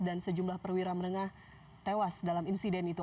dan sejumlah perwira merengah tewas dalam insiden itu